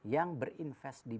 yang berinvest di